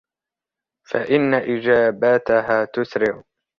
فَإِنَّ إجَابَتَهَا تُسْرِعُ